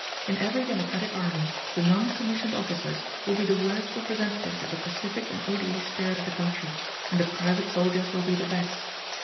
In every democratic army the non commissioned officers will be the worst representatives of the pacific and orderly spirit of the country, and the private soldiers will be the best.